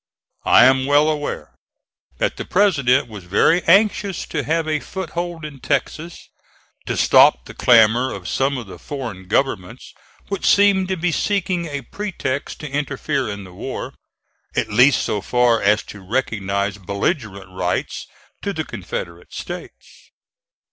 I am well aware that the President was very anxious to have a foothold in Texas, to stop the clamor of some of the foreign governments which seemed to be seeking a pretext to interfere in the war, at least so far as to recognize belligerent rights to the Confederate States.